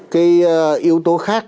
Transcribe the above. cái yếu tố khác